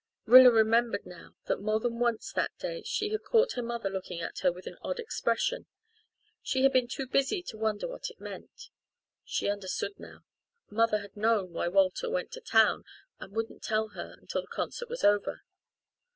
Rilla remembered now that more than once that day she had caught her mother looking at her with an odd expression. She had been too busy to wonder what it meant. She understood now. Mother had known why Walter went to town but wouldn't tell her until the concert was over.